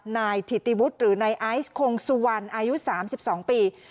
นายธิติวุธหรือนายอายุสคงสุวรรณอายุสามสิบสองปี